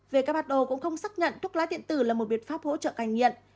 vkrto cũng không xác nhận thuốc lá điện tử là một biệt pháp hỗ trợ cai nghiện